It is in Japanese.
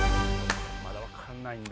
まだ分かんないんで。